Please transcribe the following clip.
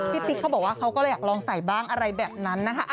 ติ๊กเขาบอกว่าเขาก็เลยอยากลองใส่บ้างอะไรแบบนั้นนะคะ